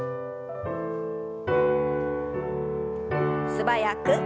素早く。